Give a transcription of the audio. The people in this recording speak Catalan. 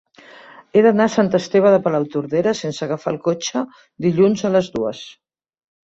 He d'anar a Sant Esteve de Palautordera sense agafar el cotxe dilluns a les dues.